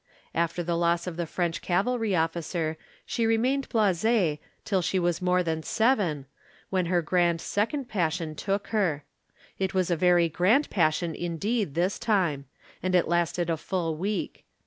After the loss of the French cavalry officer she remained blasée till she was more than seven, when her second grand passion took her. It was a very grand passion indeed this time and it lasted a full week.